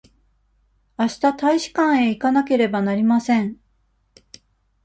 あした大使館へ行かなければなりません。